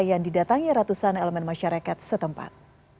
yang didatangi ratusan elemen masyarakat setempat